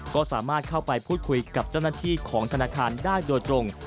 ก็สามารถเข้าไปพูดคุยกับเจ้าหน้าที่ของธนาคารได้โดยตรง